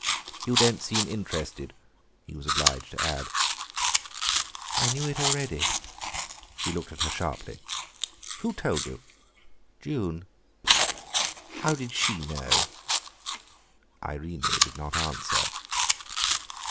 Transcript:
"You don't seem interested," he was obliged to add. "I knew it already." He looked at her sharply. "Who told you?" "June." "How did she know?" Irene did not answer.